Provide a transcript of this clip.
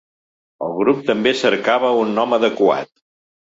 El grup també cercava un nom adequat.